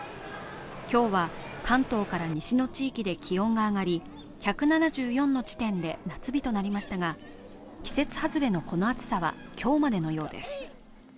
今日は関東から西の地域で気温が上がり、１７４の地点で夏日となりましたが、季節外れのこの暑さは今日までのようです。